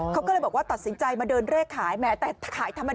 เขาก็เลยบอกว่าตัดสินใจมาเดินเลขขายแม้แต่ขายทำไม